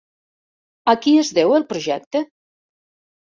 A qui es deu el projecte?